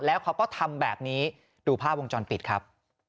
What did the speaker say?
แล้วเขาก็ทำแบบนี้ดูภาพวงจรปิดครับ